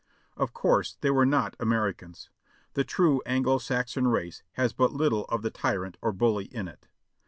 Of course they were not Americans. The true Anglo Saxon race has but little of the tyrant or bully in it.